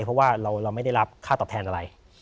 เพราะว่าเราไม่ได้รับค่าตอบแทนอะไร